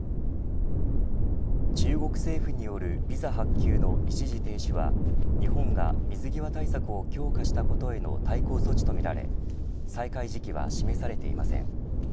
中国政府によるビザ発給の一時停止は日本が水際対策を強化したことへの対抗措置とみられ再開時期は示されていません。